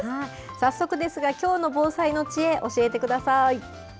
早速ですが、きょうの防災の知恵、教えてください。